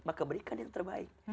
maka berikan yang terbaik